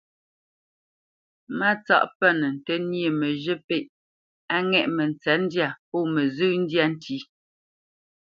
Mátsáʼ pə́nə ntə́ nyê məzhə̂ pêʼ á ŋɛ̂ʼ mətsə̌ndyâ pó məzhyə́ ndyâ ntí.